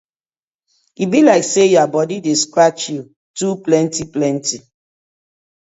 E bi layk say yur bodi dey scratch yu too plenty plenty.